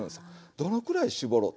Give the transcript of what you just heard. どのくらい絞ろうと。